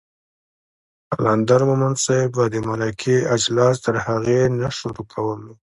قلندر مومند صاحب به د مرکې اجلاس تر هغې نه شروع کولو